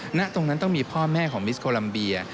ณตรงนั้นต้องมีพ่อแม่ของมิสโกลัมเบีย